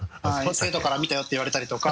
生徒から見たよって言われたりとか。